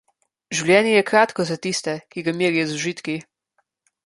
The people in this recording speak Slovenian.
Življenje je kratko za tiste, ki ga merijo z užitki.